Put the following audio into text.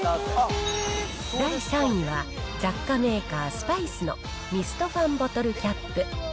第３位は、雑貨メーカー、スパイスのミストファンボトルキャップ。